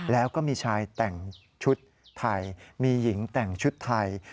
แล้วก็มีชายแต่งชุดไทยมีหญิงแต่งชุดไทย